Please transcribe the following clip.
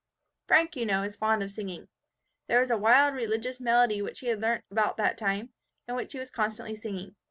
"Frank, you know, is fond of singing. There was a wild religious melody which he had learnt about that time, and which he was constantly singing.